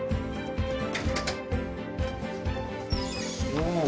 お！